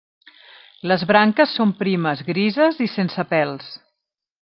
Les branques són primes, grises i sense pèls.